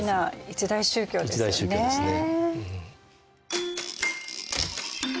一大宗教ですね。